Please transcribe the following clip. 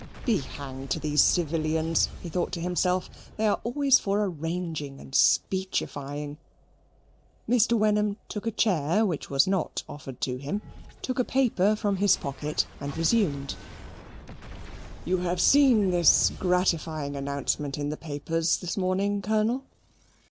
Be hanged to these civilians, he thought to himself, they are always for arranging and speechifying. Mr. Wenham took a chair which was not offered to him took a paper from his pocket, and resumed "You have seen this gratifying announcement in the papers this morning, Colonel?